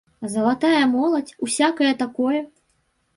Залатая моладзь, усякае такое?